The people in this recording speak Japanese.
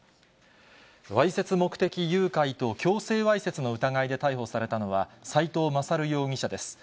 わいせつ目的誘拐と強制わいせつの疑いで逮捕されたのは、斎藤勝容疑者です。